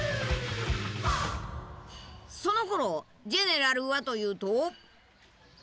そのころジェネラルはというと。